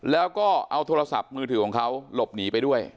แล้วก็เอาโทรศัพท์มือถือของเขาหลบหนีไปด้วย